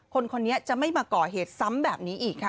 คนนี้จะไม่มาก่อเหตุซ้ำแบบนี้อีกค่ะ